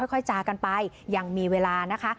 ค่อยจากันไปยังมีเวลานะคะ